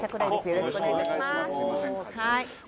よろしくお願いします。